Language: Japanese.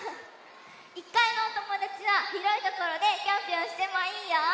１かいのおともだちはひろいところでぴょんぴょんしてもいいよ！